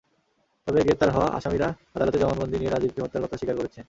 তবে গ্রেপ্তার হওয়া আসামিরা আদালতে জবানবন্দি দিয়ে রাজীবকে হত্যার কথা স্বীকার করেছেন।